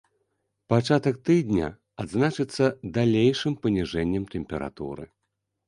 Пачатак тыдня адзначыцца далейшым паніжэннем тэмпературы.